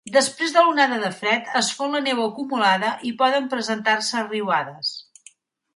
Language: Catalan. Després de l'onada de fred es fon la neu acumulada i poden presentar-se riuades.